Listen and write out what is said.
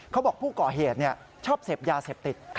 เขาบอกผู้ก่อเหตุชอบเสพยาเสพติด